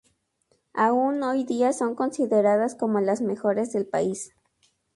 Aún hoy día son consideradas como las mejores del país.